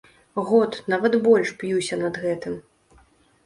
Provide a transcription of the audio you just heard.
Год, нават больш б'юся над гэтым.